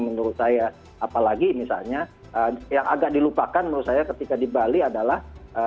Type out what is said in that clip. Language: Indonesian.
menurut saya apalagi misalnya yang agak dilupakan menurut saya ketika di bali adalah